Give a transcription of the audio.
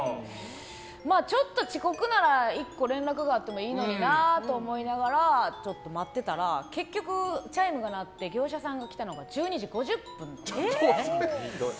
ちょっと遅刻なら１個連絡があってもいいのになと思いながら待ってたら結局チャイムが鳴って業者さんが来たのが１２時５０分。